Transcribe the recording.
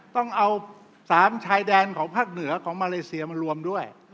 ต้องเอา๓ชายแดนของภาคเหนือของมาเลเซียมารวมด้วย